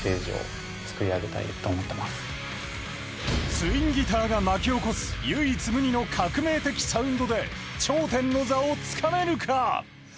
ツインギターが巻き起こす唯一無二の革命的サウンドで頂点の座をつかめるか。